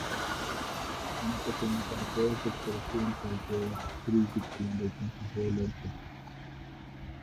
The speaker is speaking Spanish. Una pequeña parte del sector occidental quedó bajo jurisdicción del concejo de Lorca.